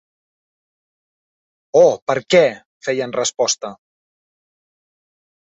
Oh, “Perquè”—feia en resposta.